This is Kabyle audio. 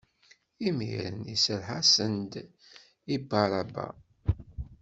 Imiren iserreḥ-asen-d i Bar Aba.